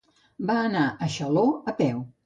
Va anar a Xaló a peu.